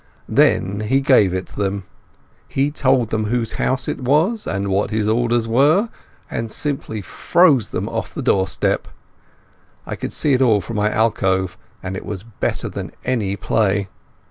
Then he gave them it. He told them whose house it was, and what his orders were, and simply froze them off the doorstep. I could see it all from my alcove, and it was better than any play.